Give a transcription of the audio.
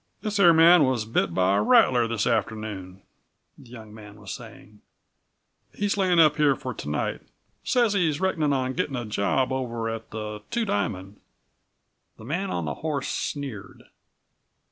"This here man was bit by a rattler this afternoon," the young man was saying. "He's layin' up here for to night. Says he's reckonin' on gettin' a job over at the Two Diamond." The man on the horse sneered.